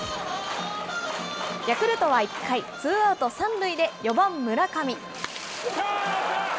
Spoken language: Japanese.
ヤクルトは１回、ツーアウト３塁で４番村上。